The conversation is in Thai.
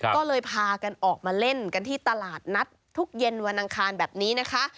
ก็เลยพากันออกมาเล่นกันที่ตลาดนัดทุกเย็นวันอังคารแบบนี้นะคะ